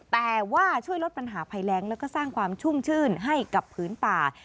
แต่ว่าช่วยลดปัญหาภัยแรงแล้วก็สร้างความชุ่มชื่นให้กับพื้นป่า